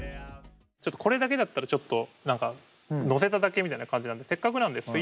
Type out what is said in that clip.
これだけだったらちょっと何か乗せただけみたいな感じなのでせっかくなんでお！